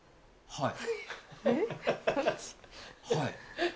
はい！